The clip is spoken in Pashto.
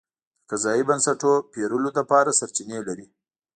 د قضایي بنسټونو پېرلو لپاره سرچینې لري.